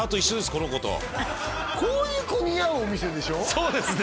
この子とこういう子似合うお店でしょそうですね